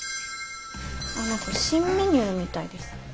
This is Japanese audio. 何か新メニューみたいです。